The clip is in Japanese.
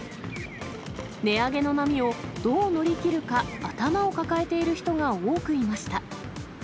値上げの波をどう乗り切るか、頭を抱えている人が多くいました。